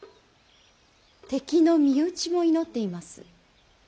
敵の身内も祈っています。